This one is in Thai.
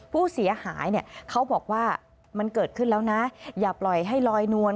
ผู้เสียหายเนี่ยเขาบอกว่ามันเกิดขึ้นแล้วนะอย่าปล่อยให้ลอยนวล